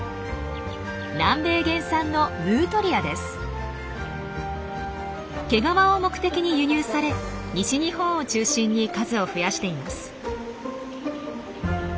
南米原産の毛皮を目的に輸入され西日本を中心に数を増やしています。